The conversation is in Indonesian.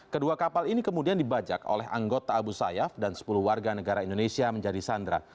kedua kapal ini kemudian dibajak oleh anggota abu sayyaf dan sepuluh warga negara indonesia menjadi sandra